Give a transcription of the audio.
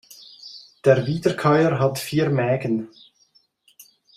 Der Wiederkäuer hat vier Mägen.